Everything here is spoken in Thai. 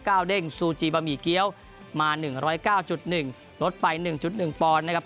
ก้าวเด้งซูจิบะหมี่เกี้ยวมา๑๐๙๑ลดไป๑๑ปนะครับ